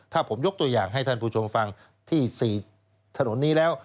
ถ้าผมยกตัวอย่างให้ท่านผู้ชมฟังที่๔ถนนนี้แล้ว